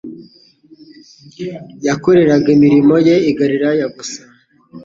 Yakoreraga imirimo ye i Galilaya gusa